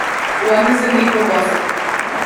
One is the need for gossip.